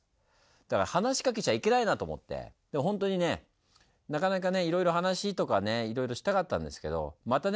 だから話しかけちゃいけないなと思って本当にねなかなかねいろいろ話とかねいろいろしたかったんですけどまたね